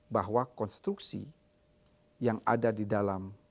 bahwa konstruksi yang ada di dalam